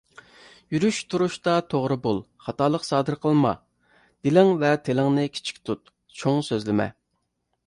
يۈرۈش تۇرۇشتا توغرا بول، خاتالىق سادىر قىلما. دىلىڭ ۋە تىلىڭنى كىچىك تۇت، چوڭ سۆزلىمە.